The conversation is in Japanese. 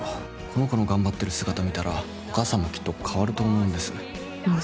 この子の頑張っている姿見たらお母さんもきっと変わると思うんです。